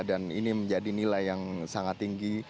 dan ini menjadi nilai yang sangat tinggi